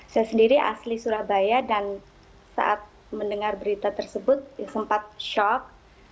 saya sendiri asli surabaya dan saat mendengar berita tersebut sempat shock